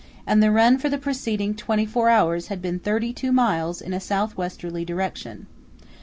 and the run for the preceding twenty four hours had been 32 miles in a south westerly direction.